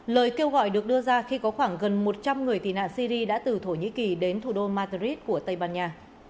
lời kêu gọi được đưa ra khi có khoảng gần một trăm linh người tị nạn syri đã từ thổ nhĩ kỳ đến thủ đô matrid của tây ban nha